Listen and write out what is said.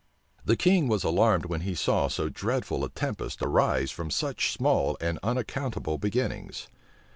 The king was alarmed when he saw so dreadful a tempest arise from such small and unaccountable beginnings.